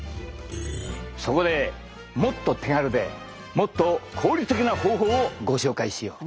そこでもっと手軽でもっと効率的な方法をご紹介しよう！